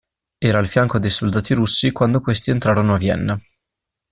Era al fianco dei soldati russi quando questi entrarono a Vienna.